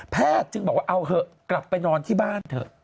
จึงบอกว่าเอาเถอะกลับไปนอนที่บ้านเถอะ